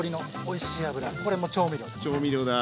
調味料だ。